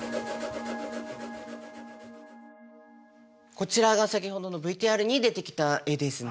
こちらが先ほどのＶＴＲに出てきた絵ですね。